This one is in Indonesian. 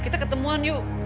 kita ketemuan yuk